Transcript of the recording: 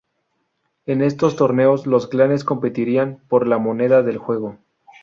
En estos torneos, los clanes competirían por la moneda del juego.